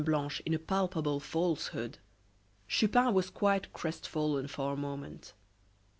Blanche in a palpable falsehood, Chupin was quite crestfallen for a moment.